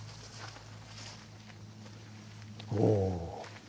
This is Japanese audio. おお。